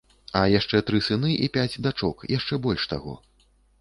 А яшчэ тры сыны і пяць дачок яшчэ больш таго.